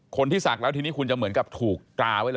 ศักดิ์แล้วทีนี้คุณจะเหมือนกับถูกตราไว้เลย